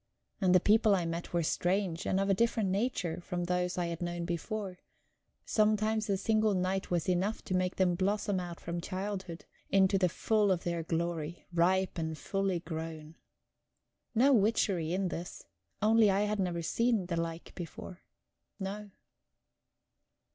And the people I met were strange, and of a different nature from those I had known before; sometimes a single night was enough to make them blossom out from childhood into the full of their glory, ripe and fully grown. No witchery in this; only I had never seen the like before. No.